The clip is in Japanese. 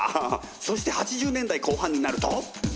そして８０年代後半になると。